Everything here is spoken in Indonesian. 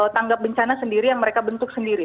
tanggap bencana sendiri yang mereka bentuk sendiri